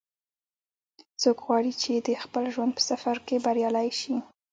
څوک غواړي چې د خپل ژوند په سفر کې بریالۍ شي